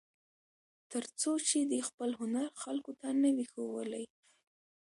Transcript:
تر څو چې دې خپل هنر خلکو ته نه وي ښوولی.